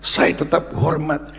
saya tetap hormat